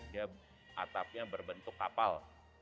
dia atapnya berbentuk kapal